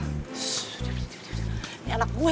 ssst udah udah udah